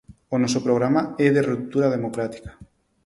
O noso programa é de ruptura democrática.